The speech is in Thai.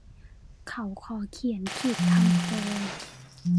เขาขอเขียนขีดคำโคลง